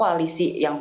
di dalam komitmen kita